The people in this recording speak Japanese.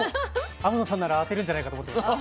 天野さんなら当てるんじゃないかと思ってました。